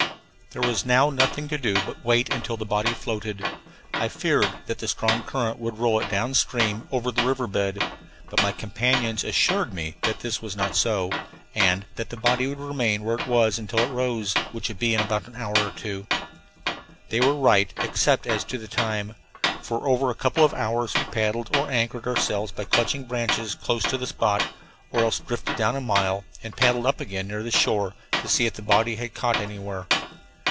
There was now nothing to do but wait until the body floated. I feared that the strong current would roll it down stream over the river bed, but my companions assured me that this was not so, and that the body would remain where it was until it rose, which would be in an hour or two. They were right, except as to the time. For over a couple of hours we paddled, or anchored ourselves by clutching branches close to the spot, or else drifted down a mile and paddled up again near the shore, to see if the body had caught anywhere.